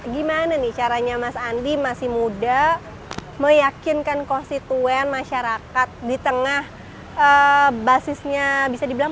gimana nih caranya mas andi masih muda meyakinkan konstituen masyarakat di tengah basisnya bisa dibilang